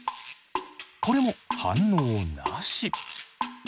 これも反応なし。